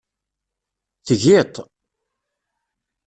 Tgiḍ-t.